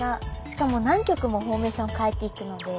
しかも何曲もフォーメーション変えていくので。